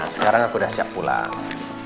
sekarang aku udah siap pulang